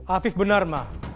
afi benar ma